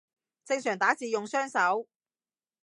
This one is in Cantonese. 正常打字用雙手